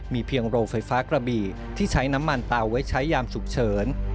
เพียงโรงไฟฟ้ากระบี่ที่ใช้น้ำมันเตาไว้ใช้ยามฉุกเฉิน